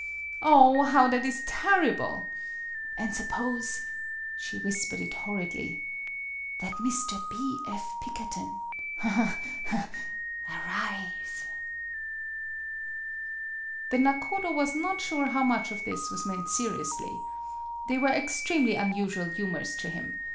Oh, how that is tarrible! An' sup pose" she whispered it horridly " that Mr. B. F. Pikkerton aha, ha, ha! arrive?" The nakodo was not sure how much of this was meant seriously. They were ex tremely unusual humors to him.